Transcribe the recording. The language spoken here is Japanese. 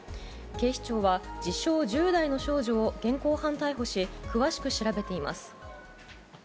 警視庁は、自称１０代の少女を現行犯逮捕し、詳しく調べています。